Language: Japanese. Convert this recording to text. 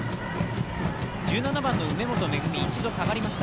１７番の梅本恵、一度下がりました